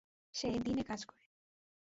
সে দিনে কাজ করে।